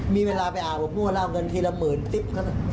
มีเวลาไปอาวุธเอาเงินทีละหมื่นติ๊บ